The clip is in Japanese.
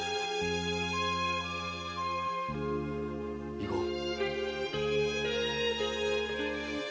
行こう。